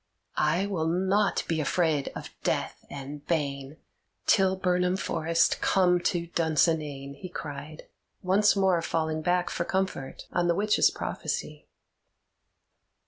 "I will not be afraid of death and bane, till Birnam forest come to Dunsinane," he cried, once more falling back for comfort on the witches' prophecy.